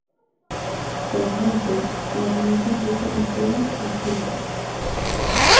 Actualmente la realiza Enrique Ventura en solitario.